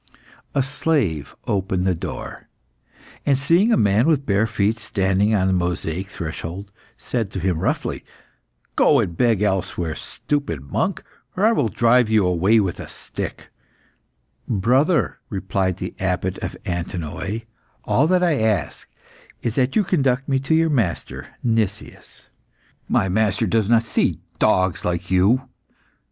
A slave opened the door, and seeing a man with bare feet standing on the mosaic threshold, said to him roughly "Go and beg elsewhere, stupid monk, or I will drive you away with a stick." "Brother," replied the Abbott of Antinoe, "all that I ask is that you conduct me to your master, Nicias." The slave replied, more angrily than before "My master does not see dogs like you."